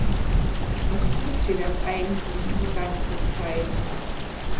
Was tut sie denn eigentlich die ganze Zeit?